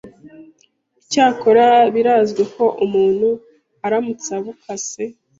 Icyakora birazwi ko umuntu aramutse abukase,